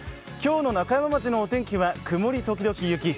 今日の中山町のお天気は曇り時々雪。